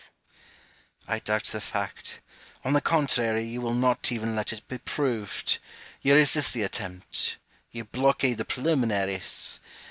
I doubt the fact : on the contrary, you will not even let it be proved ; you resist the attempt ; you blockade the preliminaries.